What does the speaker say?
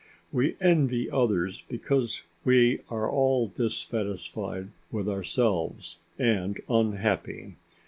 We envy others because we are all dissatisfied with ourselves and unhappy.